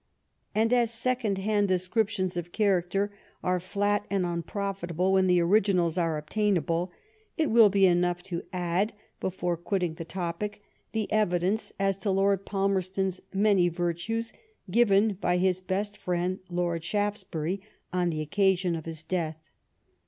And as second hand descriptions of character are flat and unprofitable when the originals are obtainable, it will be enough to add^ before quitting the topic, the evidence as to Lord Palmerston's many virtues given by his best friend Lord Shaftesbury, on the occasion of his death.